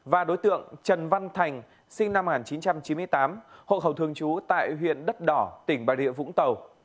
và đối tượng trần văn thành sinh năm một nghìn chín trăm chín mươi tám hội khẩu thường chú tại huyện đất đỏ tỉnh bà địa vũng tàu